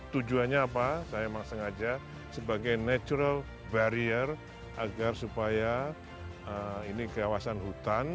tujuannya apa saya memang sengaja sebagai natural barrier agar supaya ini kawasan hutan